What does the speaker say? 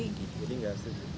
jadi nggak setuju